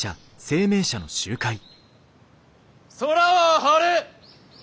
空は晴れ！